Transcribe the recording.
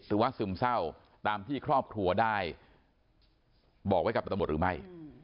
หรือว่าซึมเศร้าตามที่ครอบครัวได้บอกไว้กับปฏิบทรมดิ์หรือไม่